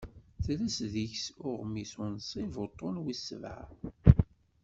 Tres deg uɣmis unsib uṭṭun wis ssebɛa.